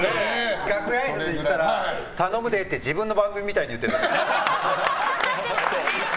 楽屋あいさつ行ったら頼むでって自分の番組みたいに言ってた。